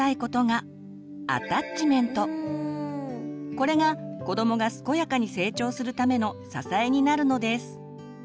これが子どもが健やかに成長するための支えになるのです。